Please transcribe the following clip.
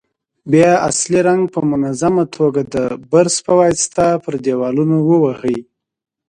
بیا اصلي رنګ په منظمه توګه د برش په واسطه پر دېوالونو ووهئ.